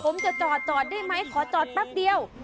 ผมจะจอดจอดได้ไหมขอจอดแป๊บเดียว